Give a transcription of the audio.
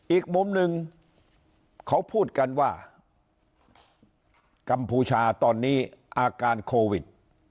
อีกมุมหนึ่งเขาพูดกันว่ากัมพูชาตอนนี้อาการโควิด